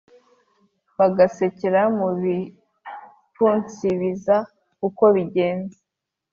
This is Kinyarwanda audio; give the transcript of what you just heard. bagasekera mu bipfunsibibaza uko bigenze